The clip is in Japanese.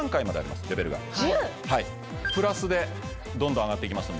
１０⁉プラスでどんどん上がっていきますんで。